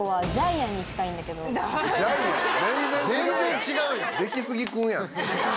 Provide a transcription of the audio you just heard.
全然違うやん！